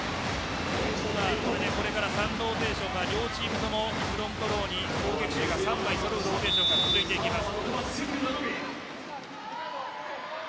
これからサーブローテーションは両チームともフロントローに攻撃陣が３枚そろうローテーションが続きます。